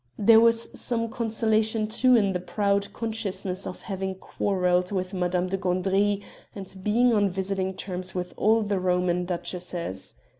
There was some consolation too in the proud consciousness of having quarrelled with Madame de Gandry and being on visiting terms with all the Roman duchesses.